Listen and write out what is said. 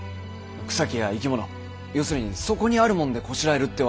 草木や生き物要するにそこにあるもんでこしらえるってわけで。